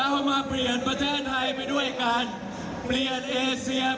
ทำให้ประเทศของเรามีอิสลาคแสดีภาพ